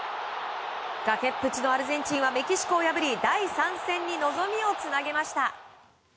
崖っぷちのアルゼンチンはメキシコを破り第３戦に望みをつなげました。